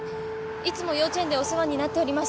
いつも幼稚園でお世話になっております。